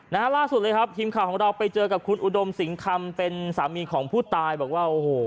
ล่าสุดเลยครับทีมข่าวของเราไปเจอกับคุณอุดมสิงคำเป็นสามีของผู้ตายบอกว่าโอ้โห